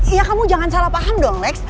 ya kamu jangan salah paham dong lex